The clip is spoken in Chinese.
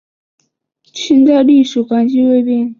清代隶属关系未变。